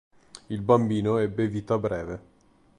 Il bambino ebbe vita breve.